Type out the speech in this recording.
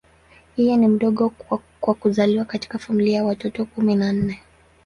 Yeye ni mdogo kwa kuzaliwa katika familia ya watoto kumi na nne.